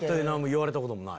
言われたこともない。